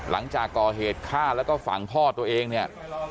แล้วก็ฝั่งพ่อตัวเองเนี่ย